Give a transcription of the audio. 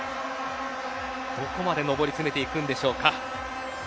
どこまで上り詰めていくんでしょうか。